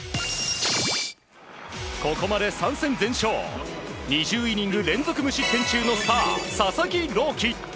ここまで３戦全勝２０イニング連続無失点の佐々木朗希。